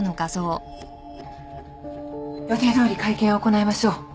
予定どおり会見は行いましょう。